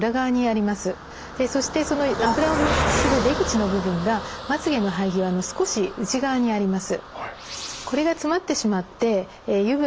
そしてその油を分泌する出口の部分がまつげの生え際の少し内側にあります。